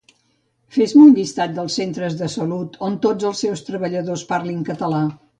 Fes-me un llistat dels centres de salut on tots els seus treballadors parlin català